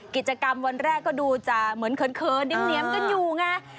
กิจกรรมวันแรกก็ดูจะเหมือนเขินดิงเหนียมกันอยู่ไง